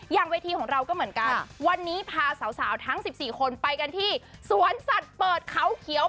เวทีของเราก็เหมือนกันวันนี้พาสาวทั้ง๑๔คนไปกันที่สวนสัตว์เปิดเขาเขียว